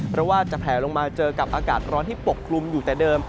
เพราะว่าจะแผลลงมาเจอกับอากาศร้อนที่ปกคลุมอยู่แต่เดิม